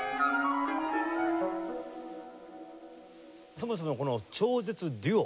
そもそもこの「超絶デュオ」